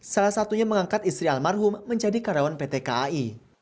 salah satunya mengangkat istri almarhum menjadi karyawan pt kai